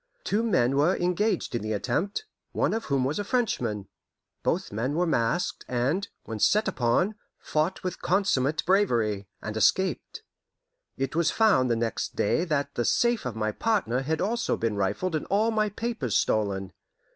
Two men were engaged in the attempt, one of whom was a Frenchman. Both men were masked, and, when set upon, fought with consummate bravery, and escaped. It was found the next day that the safe of my partner had also been rifled and all my papers stolen.